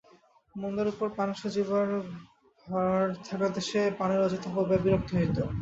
মন্দার উপর পান সাজিবার ভার থাকাতে সে পানের অযথা অপব্যয়ে বিরক্ত হইত।